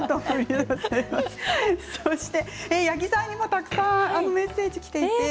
八木さんにもたくさんメッセージがきています。